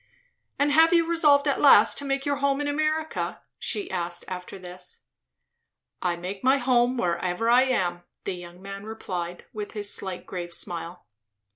"And have you resolved at last to make your home in America?" she asked after this. "I make my home wherever I am," the young man replied, with his slight grave smile.